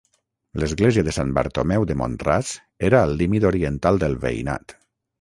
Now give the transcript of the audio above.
L'església de Sant Bartomeu de Mont-ras era al límit oriental del veïnat.